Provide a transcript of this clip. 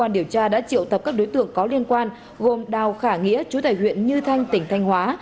điều tra đã triệu tập các đối tượng có liên quan gồm đào khả nghĩa chú tài huyện như thanh tỉnh thanh hóa